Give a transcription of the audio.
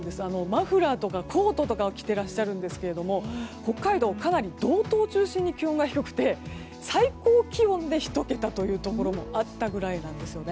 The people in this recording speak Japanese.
マフラーとかコートとかを着ていらっしゃるんですが北海道、かなり道東を中心に気温が低くて最高気温で１桁というところもあったぐらいなんです。